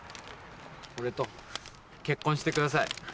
俺と結婚してください。